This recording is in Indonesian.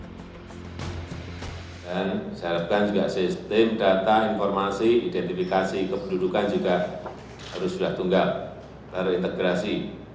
dan saya harapkan juga sistem data informasi identifikasi kependudukan juga harus sudah tunggal terintegrasi